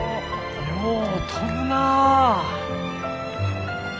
よう飛ぶなぁ。